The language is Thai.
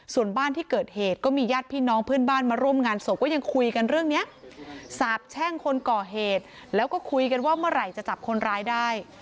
ส่วนบ้านที่เกิดเหตุก็มีญาติพี่น้องเพื่อนบ้านมาร่วมงานศพก็ยังคุยกันเรื่องนี้สาบแช่งคนก่อเหตุแล้วก็คุยกันว่าเมื่อไหร่จะจับคนร้ายได้